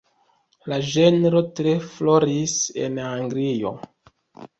La ĝenro tre floris en Anglio.